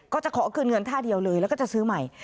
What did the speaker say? ก็จะขอคืนเงินท่าเดียวเลยแล้วก็จะซื้อใหม่